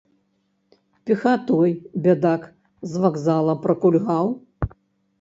Пехатой, бядак, з вакзала пракульгаў?